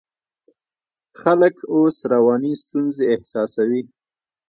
خلک اوس رواني ستونزې احساسوي.